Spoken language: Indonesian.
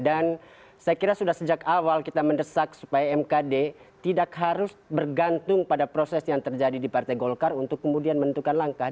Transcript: dan saya kira sudah sejak awal kita mendesak supaya mkd tidak harus bergantung pada proses yang terjadi di partai golkar untuk kemudian menentukan langkah